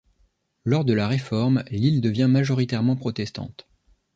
Lors de la Réforme, l'île devient majoritairement protestante.